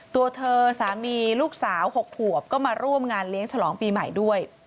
ตัวเธอสามีลูกสาว๖ขวบก็มาร่วมงานเลี้ยงฉลองปีใหม่ด้วย